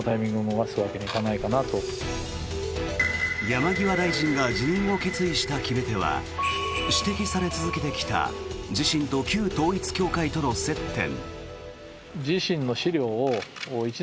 山際大臣が辞任を決意した決め手は指摘され続けてきた自身と旧統一教会との接点。